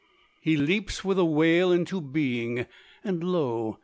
He leaps with a wail into being; and lo!